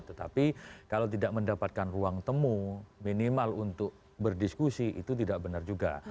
tetapi kalau tidak mendapatkan ruang temu minimal untuk berdiskusi itu tidak benar juga